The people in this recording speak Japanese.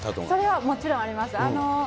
それはもちろんあります。